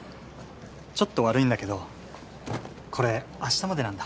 ちょっと悪いんだけどこれ明日までなんだ。